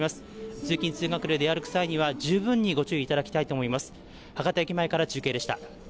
通勤・通学で出歩く際には、十分にご注意いただきたいと思います。